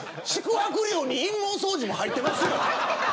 宿泊料に陰毛掃除も入ってますよ。